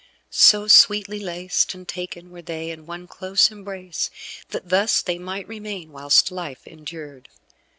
So sweetly laced and taken were they in one close embrace, that thus they might remain whilst life endured.